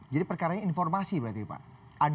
jadi perkaranya informasi berarti pak